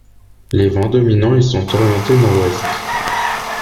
Les vents dominants y sont orientés nord-ouest.